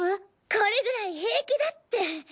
これくらい平気だって。